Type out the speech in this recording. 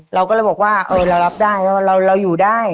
เราก็เลยบอกว่าเรารับได้แล้วเราอยู่ได้